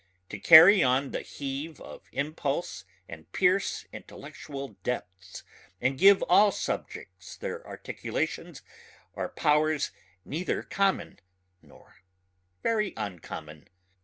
To carry on the heave of impulse and pierce intellectual depths and give all subjects their articulations are powers neither common nor very uncommon.